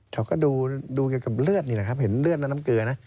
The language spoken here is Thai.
เขาก็ดูเกี่ยวกับเลือดนี่แหละครับเห็นเลือดและน้ำเกลือนะ